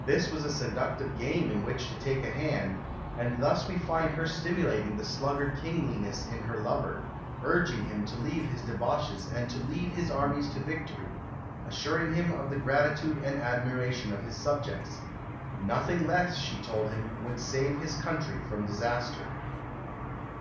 This was a seductive game in which to take a hand, and thus we find her stimulating the sluggard kingliness in her lover, urging him to leave his debauches and to lead his armies to victory, assuring him of the gratitude and admiration of his subjects. Nothing less, she told him, would save his country from disaster.